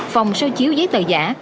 phòng xôi chiếu giấy tờ giả